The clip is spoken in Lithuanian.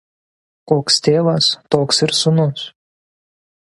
Koks tėvas, toks ir sūnus.